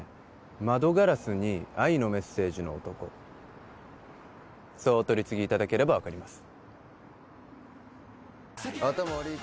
窓ガラスに愛のメッセージの男そうお取り次ぎいただければ分かります